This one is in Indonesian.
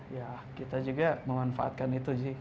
ya kita juga memanfaatkan itu sih